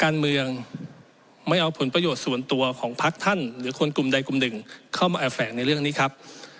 เราควรกลุ่มใดกลุ่มหนึ่งเข้ามาแอฟแกร่งในเรื่องนี้ครับ